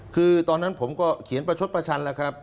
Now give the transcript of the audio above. คือตอนนั้นผมก็เขียนประชดประชันแล้วครับ